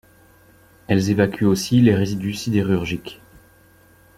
Elles évacuent aussi les résidus sidérurgiques.